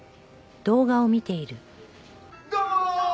「どうもー！」